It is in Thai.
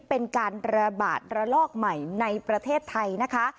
เป็นการระบาดระลอกใหม่ในประเทศไทยนะคะ